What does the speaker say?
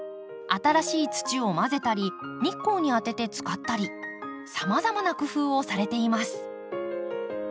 新しい土を混ぜたり日光に当てて使ったりさまざまな工夫をされています。